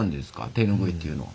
手ぬぐいっていうのは。